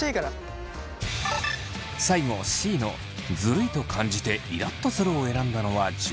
最後Ｃの「ずるいと感じてイラっとする」を選んだのは樹。